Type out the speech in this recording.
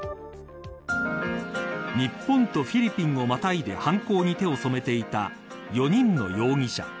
日本とフィリピンをまたいで犯行に手を染めていた４人の容疑者。